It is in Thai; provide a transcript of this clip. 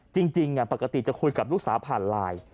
จริงปกติจะคุยกับลูกสาวผ่านไลน์